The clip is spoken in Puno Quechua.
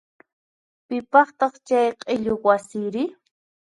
Piqpataq chay q'illu wasiri?